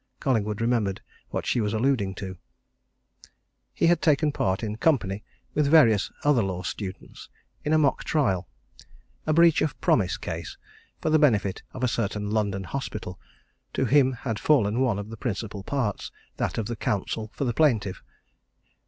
Collingwood remembered what she was alluding to. He had taken part, in company with various other law students, in a mock trial, a breach of promise case, for the benefit of a certain London hospital, to him had fallen one of the principal parts, that of counsel for the plaintiff.